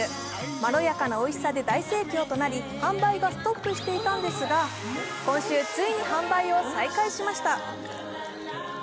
まろやかなおいしさで大盛況となり、販売がストップしていたんですが今週ついに販売を再開しました。